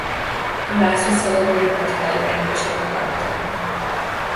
A mass was celebrated by Talleyrand, bishop of Autun.